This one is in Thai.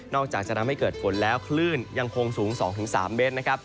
อกจากจะทำให้เกิดฝนแล้วคลื่นยังคงสูง๒๓เมตรนะครับ